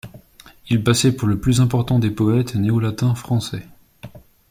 Il passait pour le plus important des poètes néolatins français.